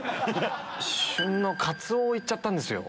旬のカツオを行っちゃったんですよ。